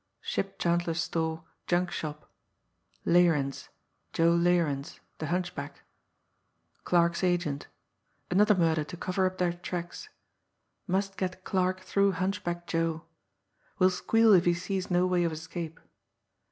ship chandler's store, junk shop ... Larens, Joe Larens, the hunchback ... Clarke's agent ... another murder to cover up their tracks ... must get Clarke through Hunchback Joe ... will squeal if he sees no way of escape